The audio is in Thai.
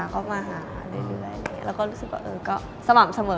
เข้ามาหาเรื่อยแล้วก็รู้สึกว่าก็สม่ำเสมอ